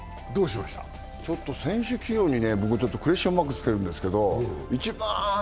選手起用にクエスチョンマークをつけるんですけど一番